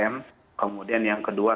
m kemudian yang kedua